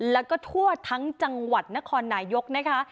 แล้วก็ทั่วทั้งจังหวัดนครนายกนะคะ